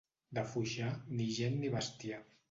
De Foixà, ni gent ni bestiar.